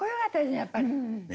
やっぱり。